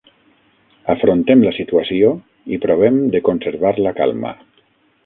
Afrontem la situació i provem de conservar la calma.